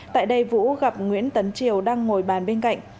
tại đây vũ gặp nguyễn tấn triều đang ngồi bàn bên cạnh